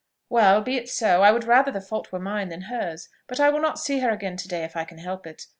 "Well be it so: I would rather the fault were mine than hers. But I will not see her again to day if I can help it.